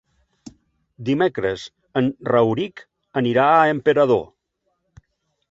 Dimecres en Rauric anirà a Emperador.